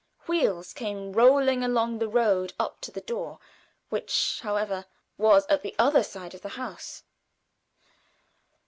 Wheels came rolling along the road up to the door, which, however, was at the other side of the house.